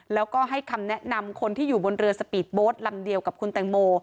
แล้วก็ให้คำแนะนำคนที่อยู่บนเรือสปีดโบสต์ลำเดียวกับคุณแตงโม